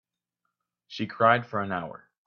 She cried for an hour.